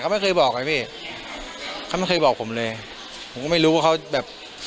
เขาไม่เคยบอกไงพี่เขาไม่เคยบอกผมเลยผมก็ไม่รู้ว่าเขาแบบ